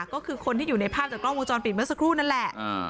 ก็คือคนที่อยู่ในภาพจากกล้องวงจรปิดเมื่อสักครู่นั่นแหละ